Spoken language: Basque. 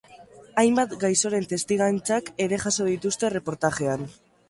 Hainbat gaixoren testigantzak ere jaso dituzte erreportajean.